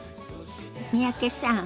三宅さん